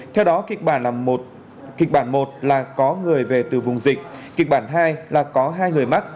theo đó kịch bản một là có người về từ vùng dịch kịch bản hai là có hai người mắc